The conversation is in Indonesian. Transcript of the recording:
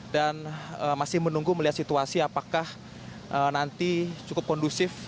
dan masih menunggu melihat situasi apakah nanti cukup kondusif